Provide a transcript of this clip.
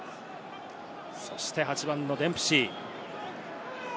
そして８番のデンプシー。